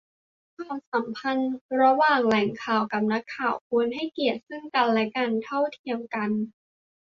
ความสัมพันธ์ระหว่างแหล่งข่าวกับนักข่าวควรให้เกียรติซึ่งกันและกัน เท่าเทียมกัน